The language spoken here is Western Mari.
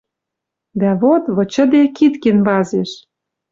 Дӓ вот, вычыде, кид кенвазеш